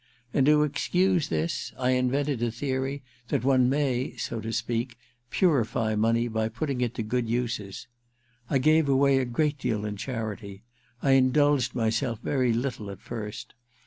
And to excuse this I invented the theory that one may, so to speak, purify money by putting it to good uses. I gave away a great deal in charity — I indulged myself very little at first.